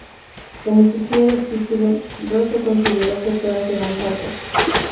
Como sugiere el título, Rose consideró que todas eran falsas.